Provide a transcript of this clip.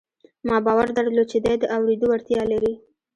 ما باور درلود چې دی د اورېدو وړتیا لري